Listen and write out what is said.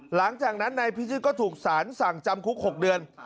หลังจากนั้นนายพิชิตก็ถูกสารสั่งจำคุก๖เดือน